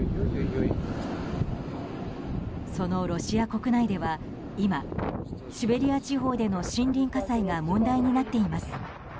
そのロシア国内では今シベリア地方での森林火災が問題になっています。